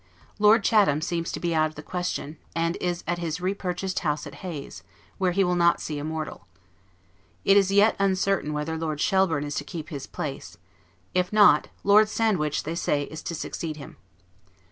Lord Chatham seems to be out of the question, and is at his repurchased house at Hayes, where he will not see a mortal. It is yet uncertain whether Lord Shelburne is to keep his place; if not, Lord Sandwich they say is to succeed him.